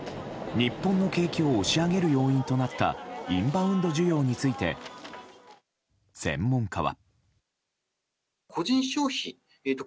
日本の景気を押し上げる要因となったインバウンド需要について専門家は。